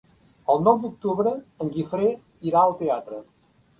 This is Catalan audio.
El nou d'octubre en Guifré irà al teatre.